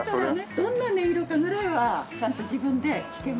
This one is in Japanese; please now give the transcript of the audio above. どんな音色かちゃんと自分で弾けます？